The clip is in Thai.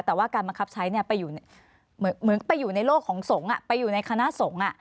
แต่ว่าการบังคับใช้เหมือนไปอยู่ในโลกของสงฆ์ไปอยู่ในคณะสงฆ์